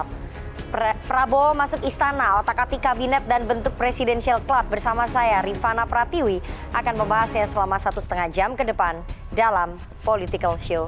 pak prabowo masuk istana otak atik kabinet dan bentuk presidential club bersama saya rifana pratiwi akan membahasnya selama satu lima jam ke depan dalam political show